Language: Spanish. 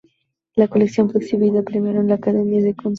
La colección fue exhibida primero en la Akademie der Künste.